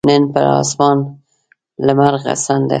نن پر اسمان لمرغسن ده